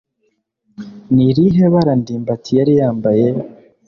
Ni irihe bara ndimbati yari yambaye